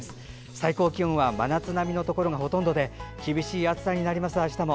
最高気温は真夏並みのところがほとんどで厳しい暑さになります、あしたも。